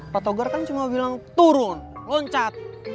pak togar kan cuma bilang turun loncat